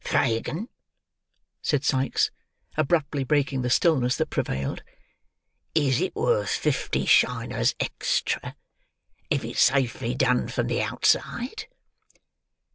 "Fagin," said Sikes, abruptly breaking the stillness that prevailed; "is it worth fifty shiners extra, if it's safely done from the outside?"